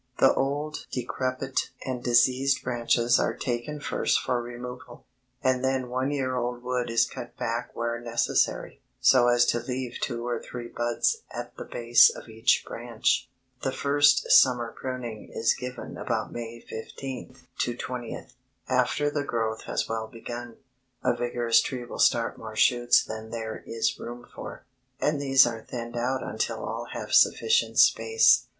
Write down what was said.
The old decrepit and diseased branches are taken first for removal, and then one year old wood is cut back where necessary, so as to leave two or three buds at the base of each branch. The first summer pruning is given about May 15th to 20th, after the growth has well begun. A vigorous tree will start more shoots than there is room for, and these are thinned out until all have sufficient space.